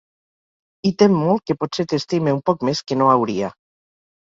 I tem molt que potser t'estime un poc més que no hauria.